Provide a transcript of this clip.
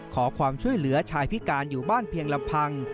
ขอความช่วยเหลือชายพิการอยู่บ้านเพียงลำพัง